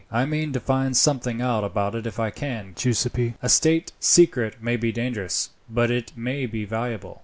"I mean to find something out about it if I can, Giuseppi. A state secret may be dangerous, but it may be valuable.